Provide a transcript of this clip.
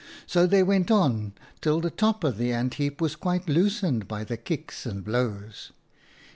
" So they went on till the top of the ant heap was quite loosened by the kicks and blows.